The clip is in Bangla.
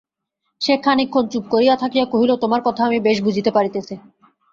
সে খানিক ক্ষণ চুপ করিয়া থাকিয়া কহিল, তোমার কথা আমি বেশ বুঝিতে পারিতেছি।